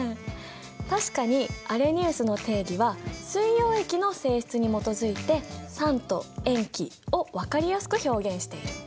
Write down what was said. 確かにアレニウスの定義は水溶液の性質に基づいて酸と塩基を分かりやすく表現している。